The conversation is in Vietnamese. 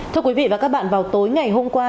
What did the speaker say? thưa quý vị và các bạn vào tối ngày hôm qua